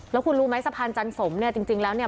แล้วคุณรู้ไหมสะพานจันสมเนี่ยจริงแล้วเนี่ย